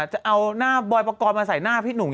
จะเอาหน้าบอยปกรณ์มาใส่หน้าพี่หนุ่ม